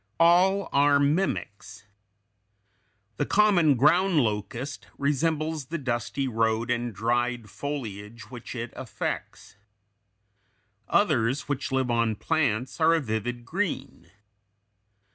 All are mimics. The common ground locust resembles the dusty road and the dried foliage which it affects. Others, which live on plants, are a vivid green.